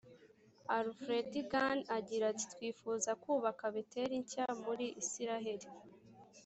alfred gunn agira ati twifuzaga kubaka beteli nshya muri isiraheli